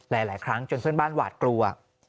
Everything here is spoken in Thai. หลายครั้งจนเพื่อนบ้านหวาดกลัว